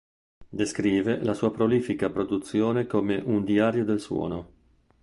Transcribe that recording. Descrive la sua prolifica produzione come "un diario del suono".